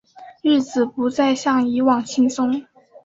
日子不再像以往轻松